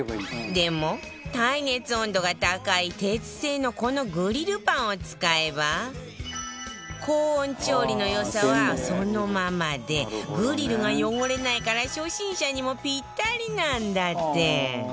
でも耐熱温度が高い鉄製のこのグリルパンを使えば高温調理の良さはそのままでグリルが汚れないから初心者にもぴったりなんだって